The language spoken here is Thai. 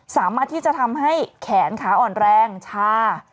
สามารถที่จะทำให้แขนขาอ่อนแรงชา